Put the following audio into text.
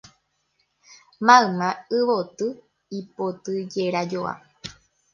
mayma yvoty ipotyjerajoa